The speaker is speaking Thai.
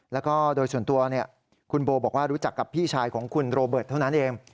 แล้วก็โดยส่วนตัวคุณโบบอกว่ารู้จักกับพี่ชายของคุณโรเบิร์ตเท่านั้นเอง